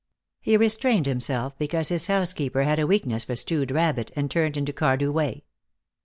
He restrained himself, because his housekeeper had a weakness for stewed rabbit, and turned into Cardew Way.